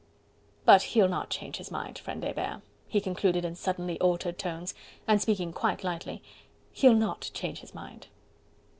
But he'll not change his mind, friend Hebert," he concluded in suddenly altered tones, and speaking quite lightly, "he'll not change his mind."